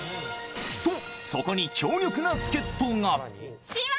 と、そこに強力な助っ人が。